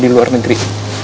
di luar negeri